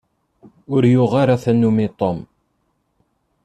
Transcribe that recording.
Ur yuɣ ara tanumi Tom.